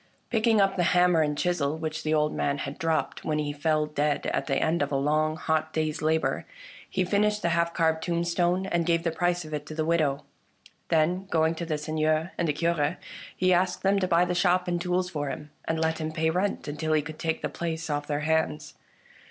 Picking up the hammer and chisel which the old man had dropped when he fell dead at the end of a long hot day's labour, he finished the half carved tombstone, and gave the price of it to the widow. Then, going to the Seigneur and Cure, he asked them to buy the shop and tools for him, and let him pay rent until he could take the place off their hands.